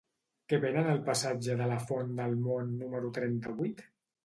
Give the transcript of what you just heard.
Què venen al passatge de la Font del Mont número trenta-vuit?